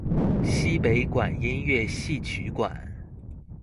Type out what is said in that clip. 南北管音樂戲曲館